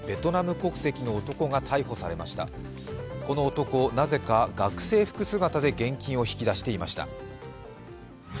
この男なぜか学生服姿で現金を引き出していました。